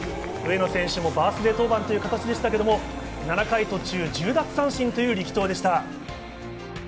上野選手もバースデー登板という形でしたが、７回途中、１０奪三振という力投でした。